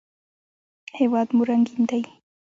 هېواد مو رنګین دی